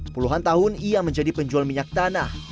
puluhan tahun ia menjadi penjual minyak tanah